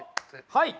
はい！